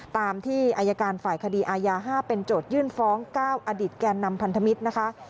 ตามที่อายการฝ่ายคดีอายา๕เป็นโจทยื่นฟ้อง๙อดิษฐแก่นำพันธมิตรนะคะ